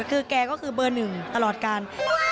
คือแกก็คือเบอร์หนึ่งตลอดการ